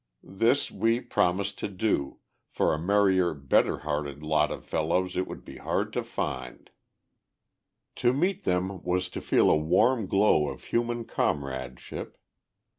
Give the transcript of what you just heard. This we promised to do, for a merrier, better hearted lot of fellows it would be hard to find. To meet them was to feel a warm glow of human comradeship.